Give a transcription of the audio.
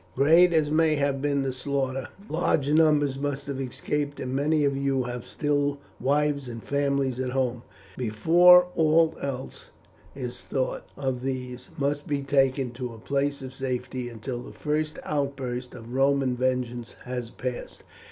Great as may have been the slaughter, large numbers must have escaped, and many of you have still wives and families at home. Before aught else is thought of these must be taken to a place of safety until the first outburst of Roman vengeance has passed.